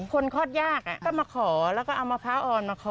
คลอดยากก็มาขอแล้วก็เอามะพร้าวอ่อนมาขอ